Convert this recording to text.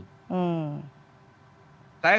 bagaimana mungkin dia mau membuat kegaduhan di jalur itu